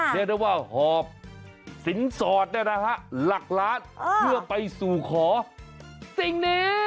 เรียกได้ว่าหอบสินสอดหลักล้านเพื่อไปสู่ขอสิ่งนี้